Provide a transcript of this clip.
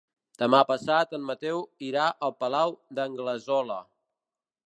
Demà passat en Mateu irà al Palau d'Anglesola.